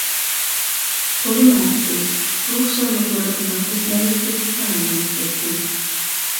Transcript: تولىمۇ ئەپسۇس، بۇ خۇشاللىقلار ئۇزاق ئۆتمەي كۆپۈككە ئايلىنىپ كەتتى.